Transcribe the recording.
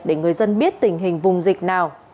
để người dân biết tình hình vùng dịch nào